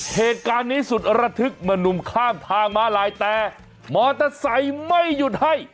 เหตุการณ์นี้สุดระทึกเมื่อนุ่มข้ามทางมาลายแต่มอเตอร์ไซค์ไม่หยุดให้